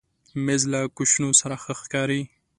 مېز له کوشنو سره ښه ښکاري.